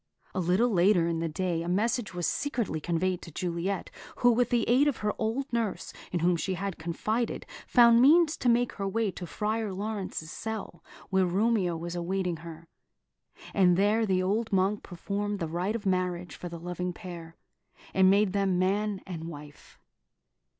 A little later in the day a message was secretly conveyed to Juliet, who, with the aid of her old nurse, in whom she had confided, found means to make her way to Friar Laurence's cell, where Romeo was awaiting her; and there the old monk performed the rite of marriage for the loving pair, and made them man and wife.